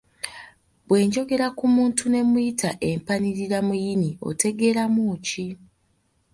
Bwe njogera ku muntu ne mmuyita empaniriramuyini, otegeeramu ki?